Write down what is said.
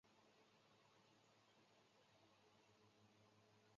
列辛顿是一个位于美国密西西比州霍尔姆斯县的城市。